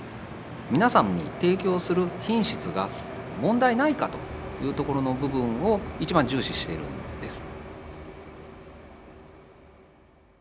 皆さんに提供する品質が問題ないかというところの部分を一番重視しているんです。